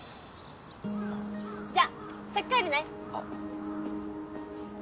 じゃ先帰るね！